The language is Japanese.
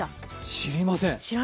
知りません。